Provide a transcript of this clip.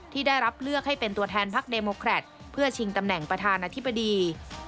ที่ได้รับเลือกให้เป็นตัวแทนพักเดโมแครตเพื่อชิงตำแหน่งประธานาธิบดี